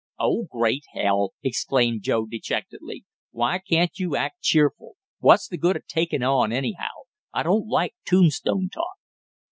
"Oh, great hell!" exclaimed Joe dejectedly. "Why can't you act cheerful? What's the good of takin' on, anyhow I don't like tombstone talk."